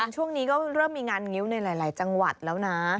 ช่วงนี้ก็เริ่มมีงานงิ้วในหลายจังหวัดแล้วนะ